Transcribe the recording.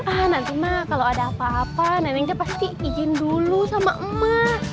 ah nanti mah kalo ada apa apa neneng pasti izin dulu sama emak